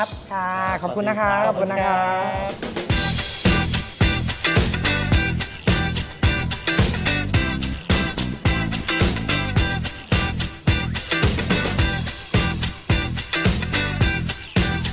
ที่แนะนำร้านอาหารอร่อยแบบนี้ให้ทางรายการเราได้รู้จักกัน